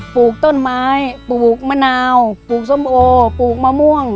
ปลูกต้นไม้ปลูกมะนาวปลูกส้มโอปลูกมะม่วง